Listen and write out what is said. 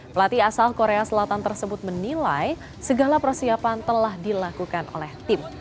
pelatih asal korea selatan tersebut menilai segala persiapan telah dilakukan oleh tim